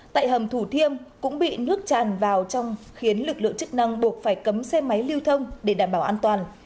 tại hầm thủ thiêm cũng bị nước tràn vào trong khiến lực lượng chức năng buộc phải cấm xe máy lưu thông để đảm bảo an toàn